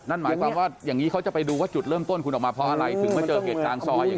นั่นหมายความว่าอย่างนี้เขาจะไปดูว่าจุดเริ่มต้นคุณออกมาเพราะอะไรถึงมาเจอเหตุกลางซอยอย่างนี้